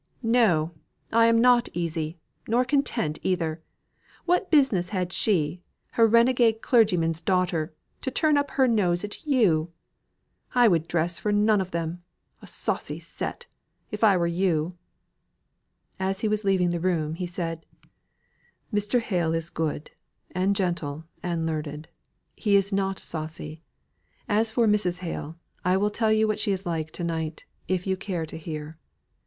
"No! I am not easy nor content either. What business had she, a renegade clergyman's daughter, to turn up her nose at you! I would dress for none of them a saucy set! if I were you." As he was leaving the room he said: "Mr. Hale is good, and gentle, and learned. He is not saucy. As for Mrs. Hale, I will tell you what she is like to night, if you care to hear."